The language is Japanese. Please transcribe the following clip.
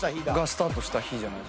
スタートした日じゃない？